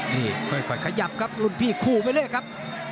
นี่ค่อยขยับครับรุ่นพี่คู่ไปเรื่อยครับ